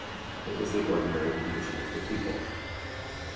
It was the ordinary condition of the people.